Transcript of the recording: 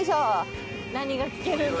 何が聞けるんだ？